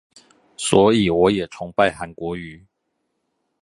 所以我也崇拜韓國瑜